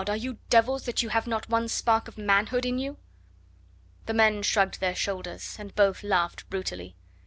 are you devils that you have not one spark of manhood in you?" The men shrugged their shoulders, and both laughed brutally.